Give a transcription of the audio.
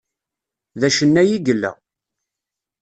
D acennay i yella.